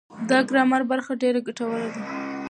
دا ګرامري برخه ډېره ګټوره ده.